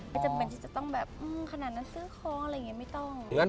จำเป็นที่จะต้องแบบขนาดนั้นซื้อของอะไรอย่างนี้ไม่ต้อง